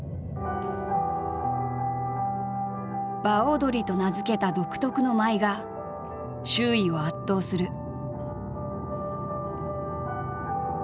「場踊り」と名付けた独特の舞が周囲を圧倒する。